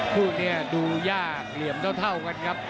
คู่นี้ดูยากเหลี่ยมเท่ากันครับ